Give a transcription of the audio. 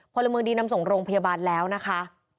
พลเมืองดีนำส่งโรงพยาบาลแล้วนะคะ